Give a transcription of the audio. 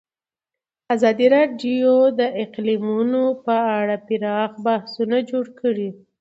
ازادي راډیو د اقلیتونه په اړه پراخ بحثونه جوړ کړي.